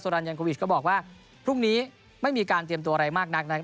รันยันโควิชก็บอกว่าพรุ่งนี้ไม่มีการเตรียมตัวอะไรมากนักนะครับ